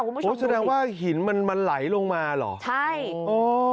คุณผู้ชมดูดิโอ้โฮแสดงว่าหินมันไหลลงมาเหรอใช่โอ้โฮ